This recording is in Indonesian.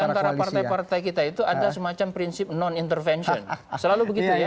antara partai partai kita itu ada semacam prinsip non intervention selalu begitu ya